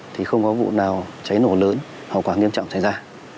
thì không có vụ nào cháy nổ lớn hoặc quá nghiêm trọng xảy ra